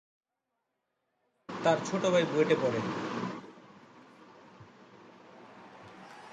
তার ছোট ভাই বুয়েটে পড়ে।